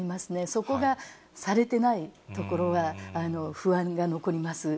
そこがされてないところは不安が残ります。